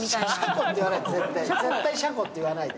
絶対車庫って言わないで。